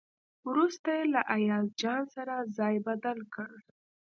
وروسته یې له ایاز جان سره ځای بدل کړ.